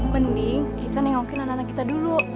mending kita nengokin anak anak kita dulu